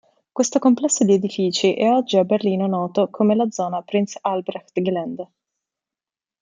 Questo complesso di edifici è oggi a Berlino noto come la zona „Prinz-Albrecht-Gelände“.